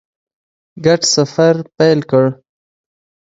ګډ سفر پیل کړ.